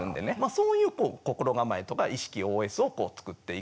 そういう心構えとか意識ＯＳを作っていくって。